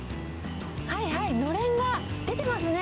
はいはい、のれんが出てますね。